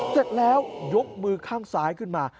เสร็จแล้วยกมือข้างซ้ายขึ้นมา